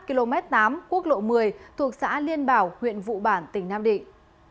km tám quốc lộ một mươi thuộc xã liên bảo huyện vụ bản tỉnh nam định